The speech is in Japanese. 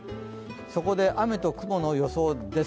そこで雨と雲の予想です。